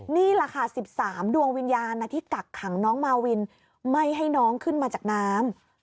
นี่แหละค่ะ๑๓ดวงวิญญาณที่กักขังน้องมาวินไม่ให้น้องขึ้นมาจากน้ำ